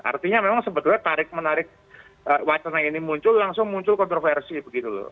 artinya memang sebetulnya tarik menarik wacana ini muncul langsung muncul kontroversi begitu loh